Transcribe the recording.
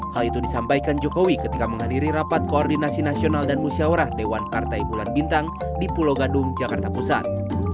hal itu disampaikan jokowi ketika menghadiri rapat koordinasi nasional dan musyawarah dewan partai bulan bintang di pulau gadung jakarta pusat